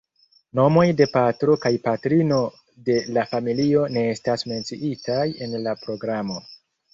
Nomoj de patro kaj patrino de la familio ne estas menciitaj en la programo.